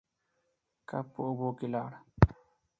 کب په اوبو کې لاړ.